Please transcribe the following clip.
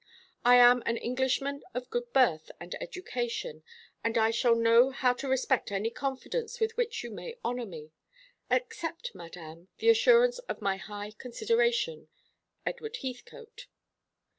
I am an Englishman of good birth and education, and I shall know how to respect any confidence with which you may honour me. Accept, Madame, the assurance of my high consideration, EDWARD HEATHCOTE.